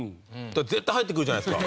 絶対入ってくるじゃないですか。